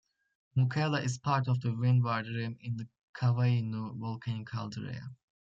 Mokolea is part of the windward rim of the Kawainui volcanic caldera.